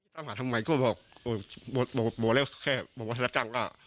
ถ้าหาทำไมก็บอกบอกแค่บอกว่าสนับจ้างก็